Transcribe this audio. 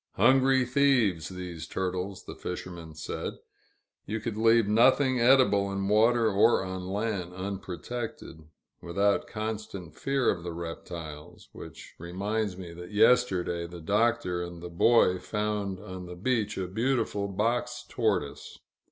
Hungry thieves, these turtles, the fisherman said; you could leave nothing edible in water or on land, unprotected, without constant fear of the reptiles which reminds me that yesterday the Doctor and the Boy found on the beach a beautiful box tortoise.